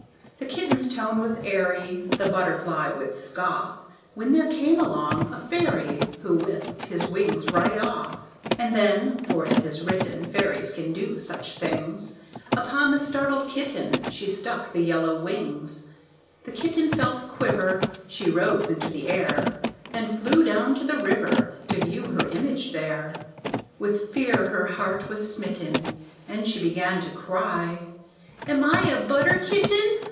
The kitten's tone was airy, The butterfly would scoff; When there came along a fairy Who whisked his wings right off. And then for it is written Fairies can do such things Upon the startled kitten She stuck the yellow wings. The kitten felt a quiver, She rose into the air, Then flew down to the river To view her image there. With fear her heart was smitten, And she began to cry, "Am I a butter kitten?